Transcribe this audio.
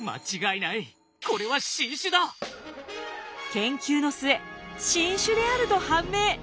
研究の末新種であると判明。